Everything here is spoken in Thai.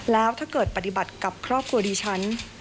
แล้วถ้าเกิดปฏิบัติกับครอบครัวดีฉัน